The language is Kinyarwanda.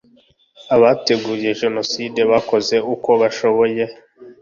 abateguye jenoside, bakoze uko bashoboye